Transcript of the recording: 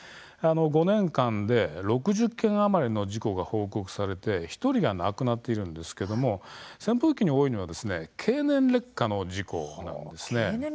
５年間で６０件余りの事故が報告され１人が亡くなっているんですが扇風機に多いのは経年劣化の事故なんです。